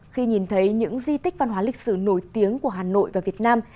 khi nhìn thấy những di tích văn hóa lịch sử nổi tiếng của hà nội và việt nam